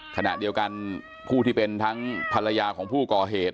ขณะเดียวกันผู้ที่เป็นทั้งภรรยาของผู้ก่อเหตุ